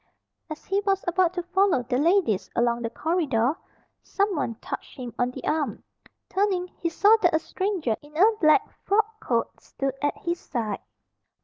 As he was about to follow the ladies along the corridor, someone touched him on the arm. Turning, he saw that a stranger in a black frock coat stood at his side.